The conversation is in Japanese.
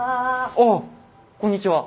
ああこんにちは。